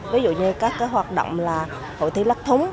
ví dụ như các hoạt động là hội thi lắc thúng